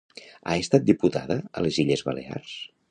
Ha estat diputada a les Illes Balears?